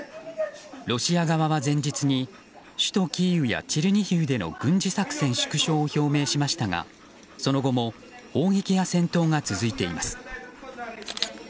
ロシア側は前日に首都キーウやチェルニヒウでの軍事作戦縮小を表明しましたがその後も砲撃や戦闘が続いています。